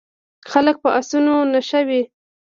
خلک په اسونو نښه وي.